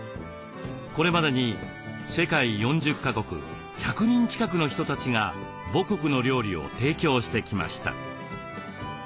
これまでに世界４０か国１００人近くの人たちが母国の料理を提供してきました。